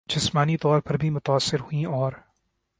جسمانی طور پر بھی متاثر ہوئیں اور